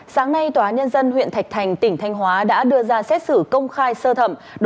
sáng nay tòa nhân dân huyện thạch thành tỉnh thanh hóa đã đưa ra xét xử công khai sơ thẩm